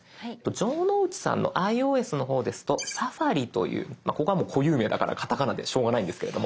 城之内さんのｉＯＳの方ですと「Ｓａｆａｒｉ」というここはもう固有名だからカタカナでしょうがないんですけれども「サファリ」。